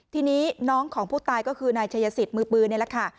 ทีนี้น้องของผู้ตายก็คือนายชัยสิทธิ์มือปืนนี่แหละค่ะ